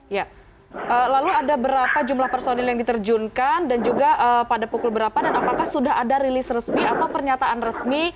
ya lalu ada berapa jumlah personil yang diterjunkan dan juga pada pukul berapa dan apakah sudah ada rilis resmi atau pernyataan resmi